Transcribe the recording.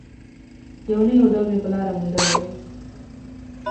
يو نه يو ډول به مې لاره موندلې وای.